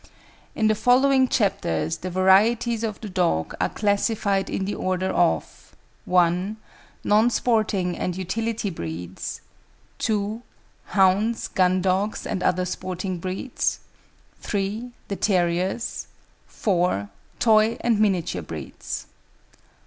In the following chapters the varieties of the dog are classified in the order of (1) Non Sporting and Utility breeds, (2) Hounds, Gundogs and other Sporting breeds, (3) the Terriers, (4) Toy and Miniature breeds.